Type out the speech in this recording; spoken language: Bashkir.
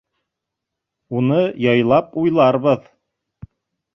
Уны яйлап уйларбыҙ.